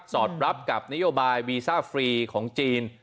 อดรับกับนโยบายวีซ่าฟรีของจีน